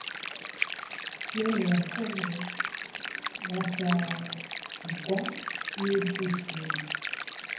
bene yakobo basagwa n'ibyishimo